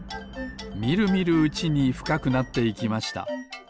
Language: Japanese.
みるみるうちにふかくなっていきました。